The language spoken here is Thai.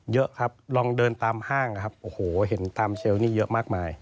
เยอะครับลองเดินตามห้างเห็นตามเชลล์นี้เยอะมากมาย